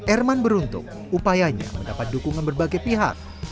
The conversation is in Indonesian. erman beruntung upayanya mendapat dukungan berbagai pihak